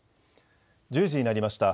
１０時になりました。